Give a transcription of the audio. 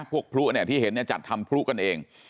พวกพลุที่เห็นจัดธรรมพลุกันเอง